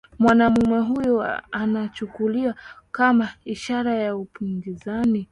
Mwanaume huyu anachukuliwa kama ishara ya upinzani